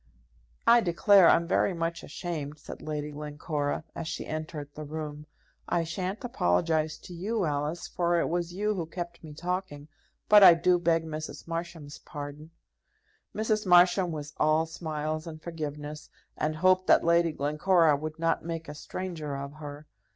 "I declare I'm very much ashamed," said Lady Glencora, as she entered the room. "I shan't apologize to you, Alice, for it was you who kept me talking; but I do beg Mrs. Marsham's pardon." Mrs. Marsham was all smiles and forgiveness, and hoped that Lady Glencora would not make a stranger of her.